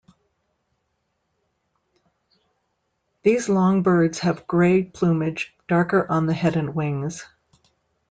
These long birds have grey plumage, darker on the head and wings.